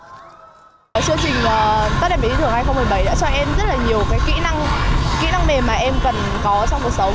chương trình tết đẹp yên thường hai nghìn một mươi bảy đã cho em rất nhiều kỹ năng mềm mà em cần có trong cuộc sống